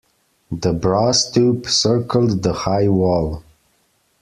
The brass tube circled the high wall.